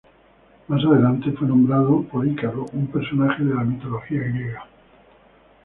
Más adelante fue nombrado por Ícaro, un personaje de la mitología griega.